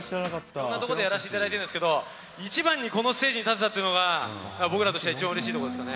こんな所でやらせていただいてるんですけど、一番にこのステージに立てたっていうのは僕らとしても一番うれしいところですかね。